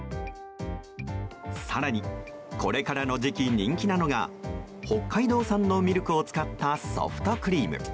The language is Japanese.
更にこれからの時期、人気なのが北海道産のミルクを使ったソフトクリーム。